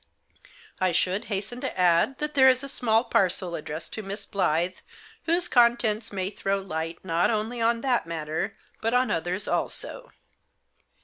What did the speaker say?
I should hasten to add that there is a small parcel addressed to Miss Blyth, whose contents may throw light, not only on that matter, but on others also."